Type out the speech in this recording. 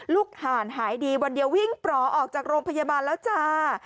ห่านหายดีวันเดียววิ่งปล่อออกจากโรงพยาบาลแล้วจ้า